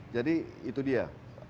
jadi itu dia